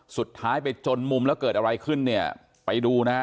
สุดท้ายไปจนมุมแล้วเกิดอะไรขึ้นเนี่ยไปดูนะฮะ